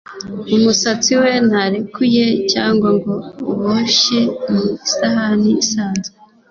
Umusatsi we ntarekuye cyangwa ngo uboshye mu isahani isanzwe